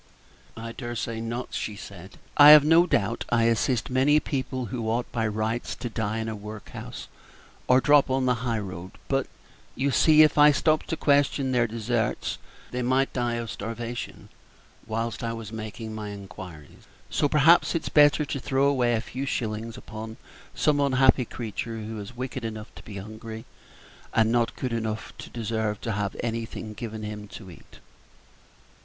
"I dare say not," she said; "I have no doubt I assist many people who ought by rights to die in a workhouse or drop on the high road; but, you see, if I stopped to question their deserts, they might die of starvation while I was making my inquiries; so perhaps it's better to throw away a few shillings upon some unhappy creature who is wicked enough to be hungry, and not good enough to deserve to have anything given him to eat."